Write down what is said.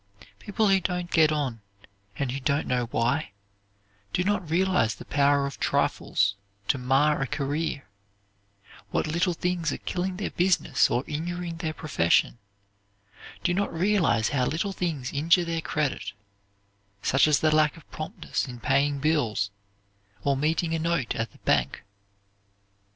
People who don't get on and who don't know why, do not realize the power of trifles to mar a career, what little things are killing their business or injuring their profession; do not realize how little things injure their credit; such as the lack of promptness in paying bills, or meeting a note at the bank.